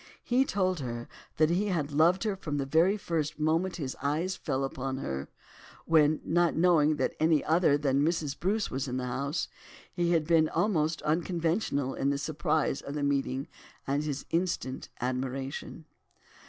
He told her that he had loved her from the very first moment that his eyes fell upon her, when, not knowing that any other than Mrs. Bruce was in the house he had been almost unconventional in the surprise of the meeting and his instant admiration.